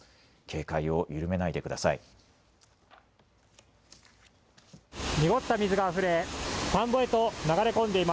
警戒を緩めないでください。